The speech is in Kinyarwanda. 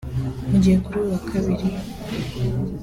Mu gihe kuri uyu wa Kabiri